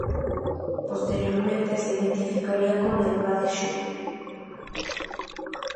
Posteriormente se identificaría con el Ba de Shu.